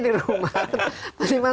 dirumah atau naik sepeda